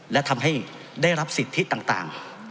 และทำให้ได้รับสิทธิต่าง